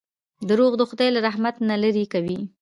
• دروغ د خدای له رحمت نه لرې کوي.